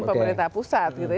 pemerintah pusat gitu